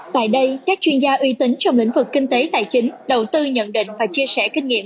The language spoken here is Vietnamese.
tại đây các chuyên gia uy tín trong lĩnh vực kinh tế tài chính đầu tư nhận định và chia sẻ kinh nghiệm